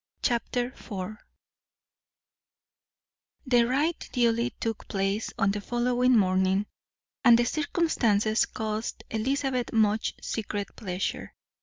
Chapter IV The ride duly took place on the following morning, and the circumstances caused Elizabeth much secret pleasure.